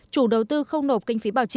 chủ đầu tư không nộp kinh phí bảo trì